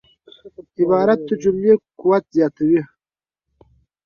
عبارت د جملې قوت زیاتوي.